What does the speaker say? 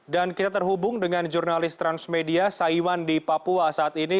dan kita terhubung dengan jurnalis transmedia saiman di papua saat ini